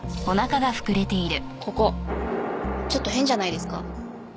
ここちょっと変じゃないですか？